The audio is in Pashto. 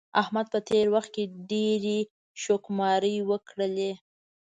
احمد په تېر وخت کې ډېرې شوکماری وکړلې.